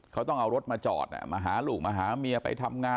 เขาต้องเอารถมาจอดมาหาลูกมาหาเมียไปทำงาน